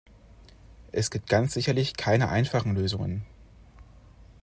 Es gibt ganz sicherlich keine einfachen Lösungen.